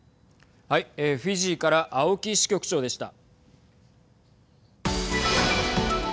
フィジーから青木支局長でした。